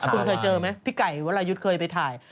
คุณเคยเจอไหมพี่ไก่เวลายุดเคยไปทาย